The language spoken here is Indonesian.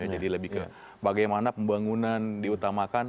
jadi lebih ke bagaimana pembangunan diutamakan